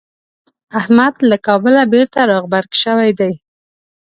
احمد له کابله بېرته راغبرګ شوی دی.